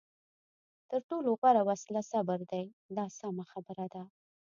تر ټولو غوره وسله صبر دی دا سمه خبره ده.